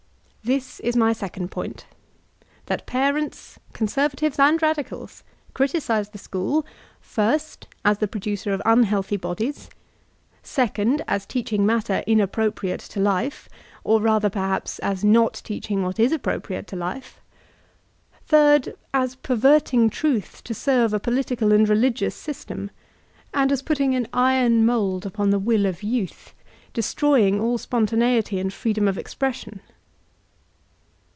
This is my second point : That parents, conservatives and radicals, criticise the school 1st, As the producer of unhealthy bodies; 3d, As teaching matter inappropriate to life ; or rather, peihaps, as not teaching what is appropriate to life; 3d, As perverting truth to serve a political and religious system; and as putting an iron mould upon the will of youth, destroying all spontaneity and freedom of expres sion.